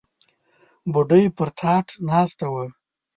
بوډۍ پر تاټ ناسته وه.